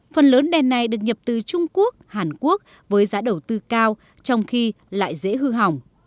phần lớn đèn này được nhập từ trung quốc hàn quốc với giá đầu tư cao trong khi lại dễ hư hỏng